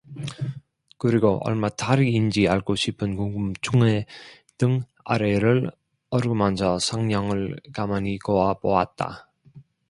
그리고 얼마짜리인지 알고 싶은 궁금증에 등 아래를 어루만져 성냥을 가만히 그어 보았다.